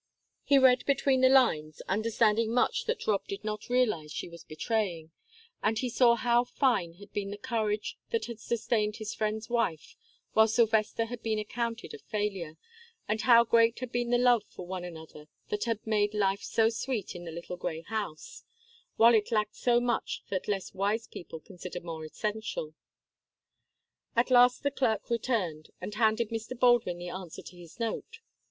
He read between the lines, understanding much that Rob did not realize she was betraying, and he saw how fine had been the courage that had sustained his friend's wife while Sylvester had been accounted a failure, and how great had been the love for one another that had made life so sweet in the little grey house, while it lacked so much that less wise people consider more essential. At last the clerk returned, and handed Mr. Baldwin the answer to his note.